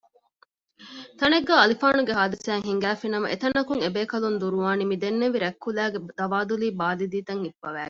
ތަނެއްގައި އަލިފާނުގެ ހާދިސާއެއް ހިނގައިފިނަމަ އެތަނަކަށް އެބޭކަލުން ދުރުވަނީ މިދެންނެވި ރަތް ކުލައިގެ ދަވާދުލީ ބާލިދީތައް ހިއްޕަވައިގެން